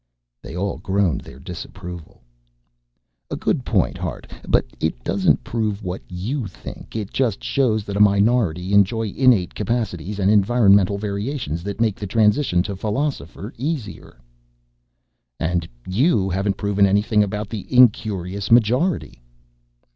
They all groaned their disapproval. "A good point, Hart, but it doesn't prove what you think. It just shows that a minority enjoy innate capacities and environmental variations that make the transition to philosopher easier." "And you haven't proven anything about the incurious majority."